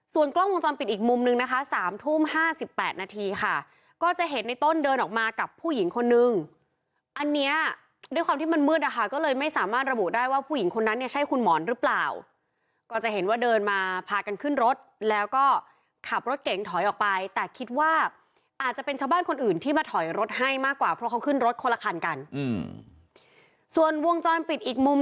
ส่วนกล้องวงจรปิดอีกมุมนึงนะคะสามทุ่มห้าสิบแปดนาทีค่ะก็จะเห็นในต้นเดินออกมากับผู้หญิงคนนึงอันเนี้ยด้วยความที่มันมืดนะคะก็เลยไม่สามารถระบุได้ว่าผู้หญิงคนนั้นเนี่ยใช่คุณหมอนหรือเปล่าก็จะเห็นว่าเดินมาพากันขึ้นรถแล้วก็ขับรถเก๋งถอยออกไปแต่คิดว่าอาจจะเป็นชาวบ้านคนอื่นที่มาถอยรถให้มากกว่าเพราะเขาขึ้นรถคนละคันกันอืมส่วนวงจรปิดอีกมุม